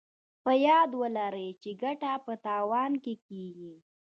په ياد ولرئ چې ګټه په تاوان کېږي.